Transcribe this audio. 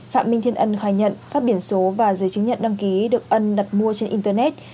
phạm minh thiên ân khai nhận các biển số và giấy chứng nhận đăng ký được ân đặt mua trên internet